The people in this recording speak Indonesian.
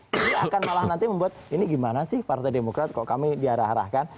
ini akan malah nanti membuat ini gimana sih partai demokrat kok kami diarah arahkan